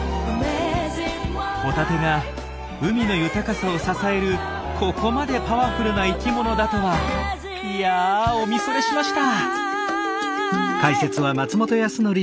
ホタテが海の豊かさを支えるここまでパワフルな生きものだとはいやあおみそれしました。